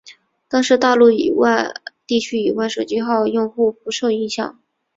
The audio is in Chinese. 但是大陆地区以外手机号用户不受影响。